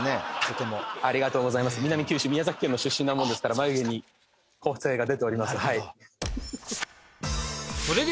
とてもありがとうございます南九州宮崎県の出身なもんですから眉毛に個性が出ておりますなるほど！